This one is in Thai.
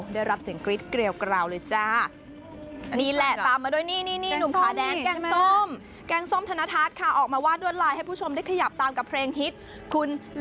มีนี่เจ้าเป้ยเตรก